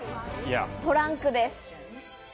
トランクです。